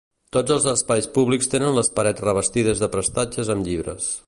Tots els espais públics tenen les parets revestides de prestatges amb llibres.